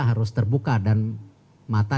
harus terbuka dan mata